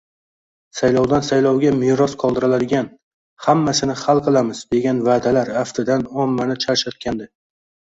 saylovdan saylovga meros qoldiriladigan «hammasini hal qilamiz» degan va’dalar, aftidan, ommani charchatgandi.